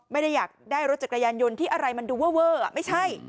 ไม่ได้อยากได้รถจักรยานยนต์ที่อะไรมันดูเวอร์ไม่ใช่